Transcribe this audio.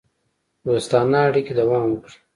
دوستانه اړیکې دوام وکړي.